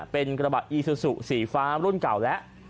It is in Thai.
เป็นกระบะอีซูซูสีฟ้ารุ่นเก่าแล้ว